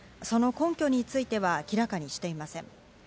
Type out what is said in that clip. その根拠については明らかにしていません。